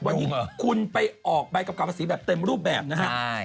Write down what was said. วันนี้คุณไปออกใบกำกับการภาษีแบบเต็มรูปแบบนะฮะ